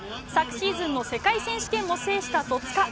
昨シーズンの世界選手権も制した戸塚。